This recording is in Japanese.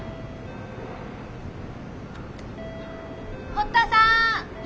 堀田さん。